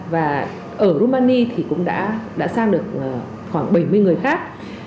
và ở rumani thì cũng đã sang được khoảng bảy mươi người khác